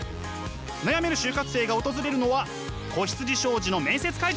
悩める就活生が訪れるのは子羊商事の面接会場。